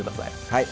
はい。